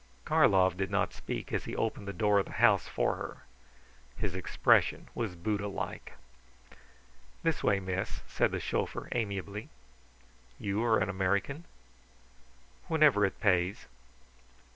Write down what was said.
Karlov did not speak as he opened the door of the house for her. His expression was Buddha like. "This way, miss," said the chauffeur, affably. "You are an American?" "Whenever it pays."